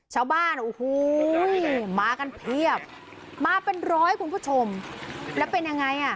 ชาวบ้านโอ้โหมากันเพียบมาเป็นร้อยคุณผู้ชมแล้วเป็นยังไงอ่ะ